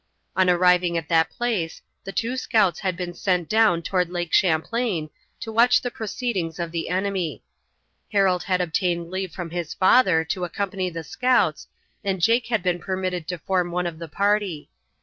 On arriving at that place the two scouts had been sent down toward Lake Champlain to watch the proceedings of the enemy. Harold had obtained leave from his father to accompany the scouts, and Jake had been permitted to form one of the party.